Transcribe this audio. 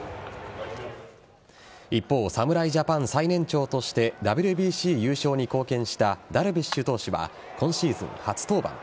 一方、侍ジャパン最年長としてＷＢＣ優勝に貢献したダルビッシュ投手は今シーズン初登板。